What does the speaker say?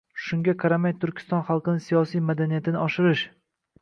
Shunga qaramay Turkiston xalqining siyosiy madaniyatini oshirish